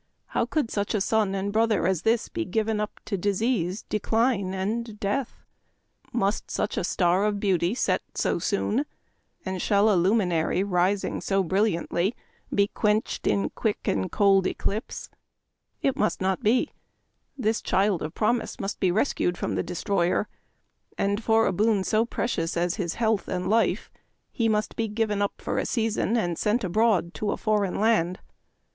How could such a son and brother as this be given up to disease, de cline, and death ! Must such a star of beauty set so soon ? and shall a luminary rising so brilliantly be quenched in quick and cold eclipse ? It must not be. This child of prom ise must be rescued from the destroyer, and for a boon so precious as his health and life he 30 Memoir of Washington Irving. must be given up for a season and sent abroad to a foreign land.